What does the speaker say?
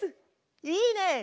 いいね！